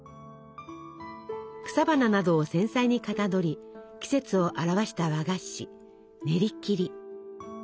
草花などを繊細にかたどり季節を表した和菓子ねりきり。